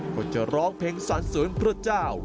และสุดท้ายก็จะร้องเพลงสรรเสริญพระเจ้า